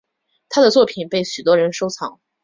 她的作品被许多人收藏。